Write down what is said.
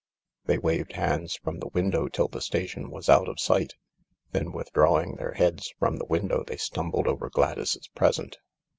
They waved hands from the window till the station was out of sight. Then, withdrawing their heads from the window, they stumbled over Gladys's present.